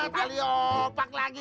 tali opak lagi